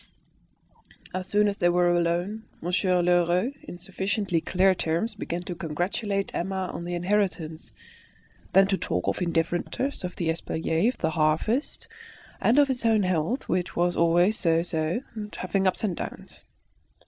As soon as they were alone, Monsieur Lheureux in sufficiently clear terms began to congratulate Emma on the inheritance, then to talk of indifferent matters, of the espaliers, of the harvest, and of his own health, which was always so so, always having ups and downs.